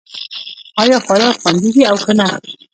ایا خواړه خوندي دي او که نه